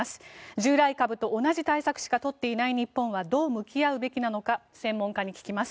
従来株と同じ対策しか取っていない日本はどう向き合うべきなのか専門家に聞きます。